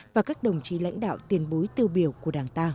và các đồng chí lãnh đạo tiền bối tiêu biểu của đảng ta